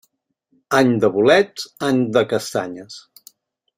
Any de bolets, any de castanyes.